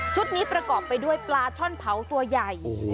นี้ประกอบไปด้วยปลาช่อนเผาตัวใหญ่